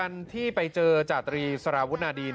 วันที่ไปเจอจาตรีสารวุนาดี